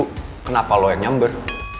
kenapa lo yang nyember